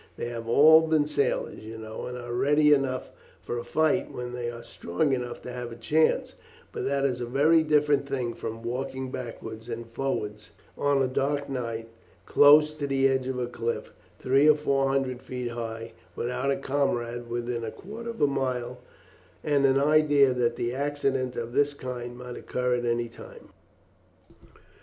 They have all been sailors, you know, and are ready enough for a fight when they are strong enough to have a chance, but that is a very different thing from walking backwards and forwards on a dark night close to the edge of a cliff, three or four hundred feet high, without a comrade within a quarter of a mile, and the idea that an accident of this kind might occur any time."